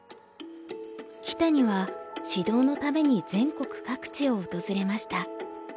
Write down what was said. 木谷は指導のために全国各地を訪れました。